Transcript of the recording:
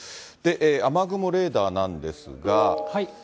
雨雲レーダーなんですが。